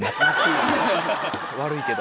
悪いけど。